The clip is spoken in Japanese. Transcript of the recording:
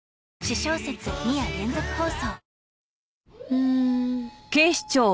うん。